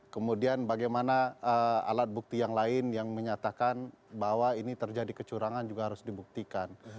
kemudian bagaimana alat bukti yang lain yang menyatakan bahwa ini terjadi kecurangan juga harus dibuktikan